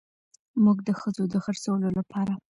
موږ د ښځو د خرڅولو لپاره